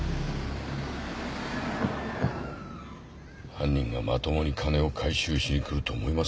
犯人がまともに金を回収しに来ると思いますか？